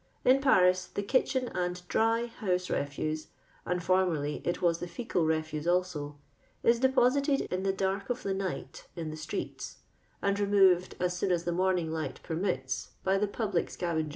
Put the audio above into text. In Paris, the kitchen and dry house refuse (and formerly it was the feecal reftise also) is deposited in the dark of the night in the streets, and removed, as soon as the moni' ing light permits, by tlie public scavengen.